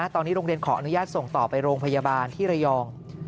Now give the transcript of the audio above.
ตอนนี้โรงเรียนขออนุญาตส่งต่อไปโรงพยาบาลที่ระยอง